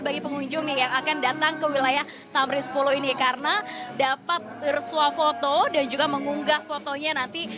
bagi pengunjung yang akan datang ke wilayah tamrin sepuluh ini karena dapat bersuah foto dan juga mengunggah fotonya nanti